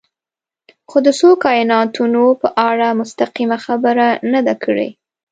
خو د څو کایناتونو په اړه مستقیمه خبره نه ده کړې.